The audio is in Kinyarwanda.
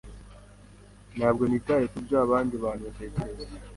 Ntabwo nitaye kubyo abandi bantu batekereza?